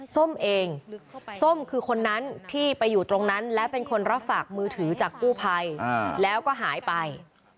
ส้มเองส้มคือคนนั้นที่ไปอยู่ตรงนั้นและเป็นคนรับฝากมือถือจากกู้ภัยแล้วก็หายไป